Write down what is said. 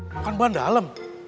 makan bahan dalem